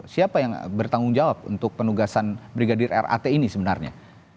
siapa yang bertanggung jawab untuk penugasan brigadir rat ini sebenarnya